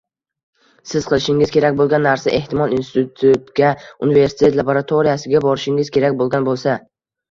Siz qilishingiz kerak boʻlgan narsa, ehtimol institutga, universitet laboratoriyasiga borishingiz kerak boʻlgan boʻlsa